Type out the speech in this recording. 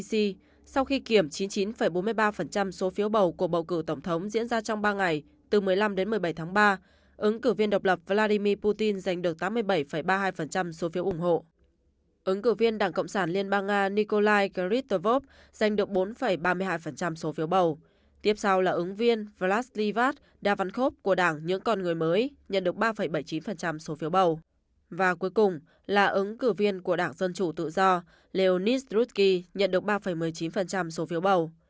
cuối cùng là ứng cử viên của đảng dân chủ tự do leonid shchukin nhận được ba một mươi chín số phiếu bầu